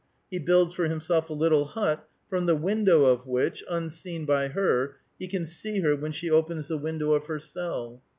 He builds for himself a little hut, from the window of which, unseen by her, he can see her when she opens the window of her cell.